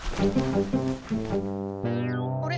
あれ？